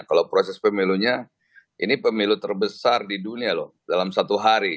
kalau proses pemilunya ini pemilu terbesar di dunia loh dalam satu hari